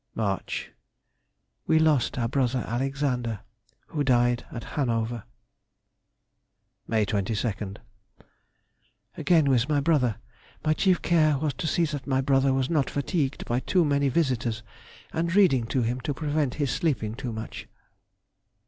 March.—We lost our brother Alexander, who died at Hanover. May 22nd.—Again with my brother. My chief care was to see that my brother was not fatigued by too many visitors, and reading to him to prevent his sleeping too much.